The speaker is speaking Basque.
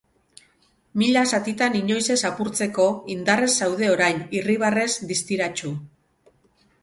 Mila zatitan inoiz ez apurtzeko, indarrez zaude orain, irribarrez distiratsu.